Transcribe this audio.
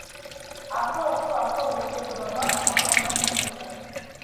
ახლა უფრო ახლო ურთიერთობა მაქვს თაყვანისმცემლებთან.